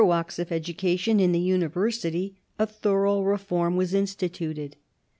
walks of education, in the University, a thorough reform was instituted.